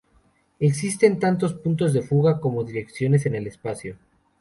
Existen tantos puntos de fuga como direcciones en el espacio.